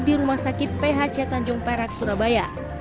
pengelolaan tersebut tidak dirawat di rumah sakit phc tanjung perak surabaya